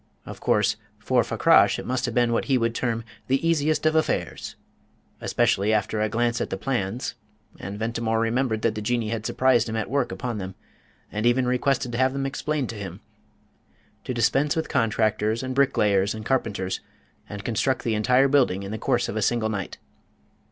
Of course, for Fakrash it must have been what he would term "the easiest of affairs" especially after a glance at the plans (and Ventimore remembered that the Jinnee had surprised him at work upon them, and even requested to have them explained to him) to dispense with contractors and bricklayers and carpenters, and construct the entire building in the course of a single night.